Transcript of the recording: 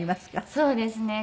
そうですね。